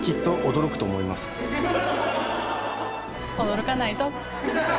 驚かないぞ。